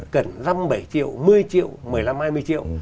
cần năm bảy triệu một mươi triệu một mươi năm hai mươi triệu